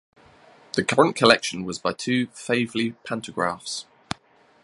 The current collection was by two Faiveley pantographs.